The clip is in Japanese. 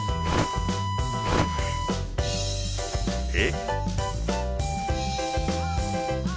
え？